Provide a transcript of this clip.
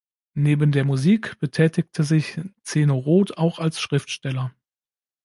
Neben der Musik betätigte sich Zeno Roth auch als Schriftsteller.